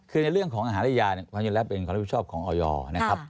คือในเรื่องของอาหารและยาความจริงแล้วเป็นความรับผิดชอบของออยนะครับ